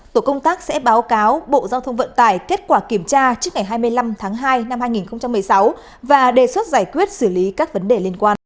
tổ công tác sẽ báo cáo bộ giao thông vận tải kết quả kiểm tra trước ngày hai mươi năm tháng hai năm hai nghìn một mươi sáu và đề xuất giải quyết xử lý các vấn đề liên quan